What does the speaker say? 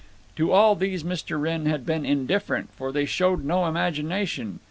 To all these Mr. Wrenn had been indifferent, for they showed no imagination.